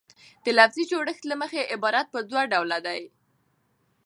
د لفظي جوړښت له مخه عبارت پر دوه ډوله ډﺉ.